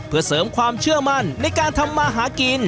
เพื่อเสริมความเชื่อมั่นในการทำมาหากิน